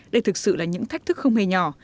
đây thực sự là những thách thức không hề nhỏ